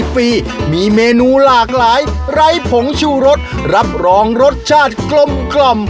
ฟรีมีเมนูหลากหลายไร้ผงชูรสรับรองรสชาติกลม